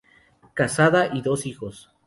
Casada y dos hijos.